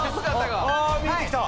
あ見えてきた。